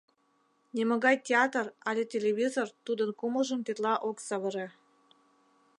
Нимогай театр але телевизор тудын кумылжым тетла ок савыре.